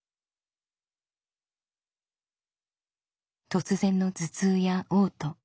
突然の頭痛やおう吐。